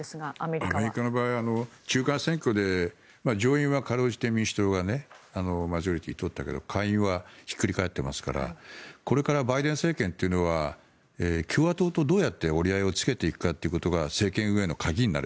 アメリカの場合中間選挙で上院は辛うじて民主党がマジョリティーを取ったけど下院はひっくり返っていますからこれからバイデン政権は共和党とどう折り合いをつけていくかが政権運営の鍵になる。